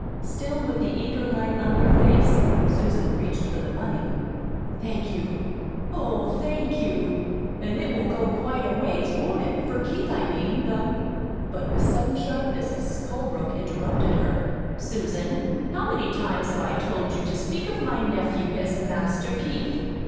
Still with the eager light on her face, Susan reached for the money. "Thank you, oh, thank you! An' it will go quite a ways, won't it? for Keith, I mean. The " But with sudden sharpness Mrs. Colebrook interrupted her. "Susan, how many times have I told you to speak of my nephew as 'Master Keith'?